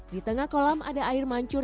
di tengah kolam ada air mancur